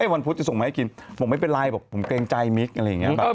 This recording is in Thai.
วันพุธจะส่งมาให้กินบอกไม่เป็นไรบอกผมเกรงใจมิกอะไรอย่างนี้